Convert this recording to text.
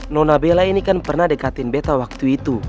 nona bella ini kan pernah dekatin beta waktu itu